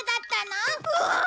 うわ！